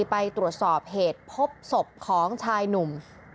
ไปตรวจสอบเหตุพบศพของชายหนุ่ม